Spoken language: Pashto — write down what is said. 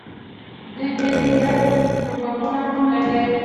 دوی ډېر زیات توپکونه هم لري.